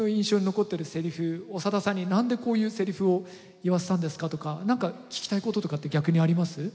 長田さんに「何でこういうセリフを言わせたんですか」とか何か聞きたいこととかって逆にあります？